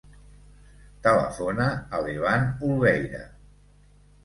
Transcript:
Telefona a l'Evan Olveira.